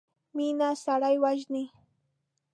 مينه سړی وژني.